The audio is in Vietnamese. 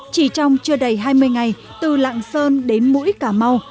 chỉ trong chưa đầy hai mươi ngày từ lạng sơn đến mũi cà mau